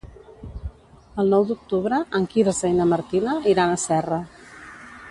El nou d'octubre en Quirze i na Martina iran a Serra.